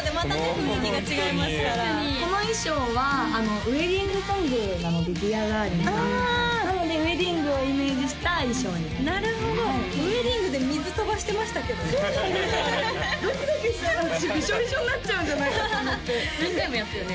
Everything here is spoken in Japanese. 雰囲気が違いますからこの衣装はウエディングソングなので「ＤｅａｒＤａｒｌｉｎ’」がなのでウエディングをイメージした衣装になるほどウエディングで水飛ばしてましたけどねそうなんですあれドキドキして私ビショビショになっちゃうんじゃないかと思って何回もやったよね？